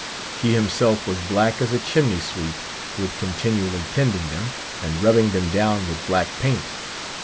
He himself was black as a chimney sweep with continually tending them, and rubbing them down with black paint.